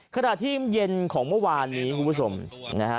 ขณะที่เย็นของเมื่อวานนี้คุณผู้ชมนะฮะ